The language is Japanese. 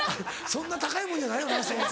そんな高いもんじゃないよな？